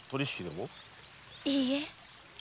いいえ。